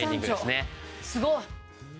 すごい！